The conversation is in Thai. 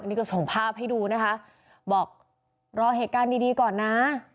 นี่ก็ส่งภาพให้ดูนะคะบอกรอเหตุการณ์ดีดีก่อนนะ